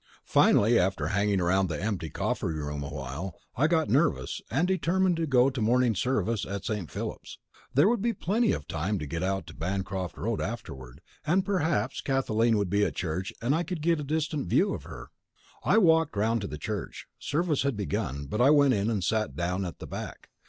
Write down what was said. Finally, after hanging round the empty coffee room for a while, I got nervous, and determined to go to morning service at St. Philip's. There would be plenty of time to get out to Bancroft Road afterward, and perhaps Kathleen would be at church and I could get a distant view of her. I walked round to the church. Service had begun, but I went in and sat down at the back.